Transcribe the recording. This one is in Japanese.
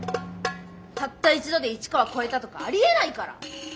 たった一度で市川超えたとかありえないから。